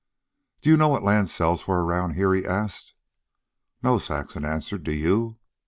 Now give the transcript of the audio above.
"Do you know what land sells for around here?" he asked. "No," Saxon answered. "Do you?"